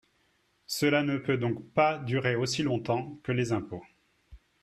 Cela ne peut donc pas durer aussi longtemps que les impôts.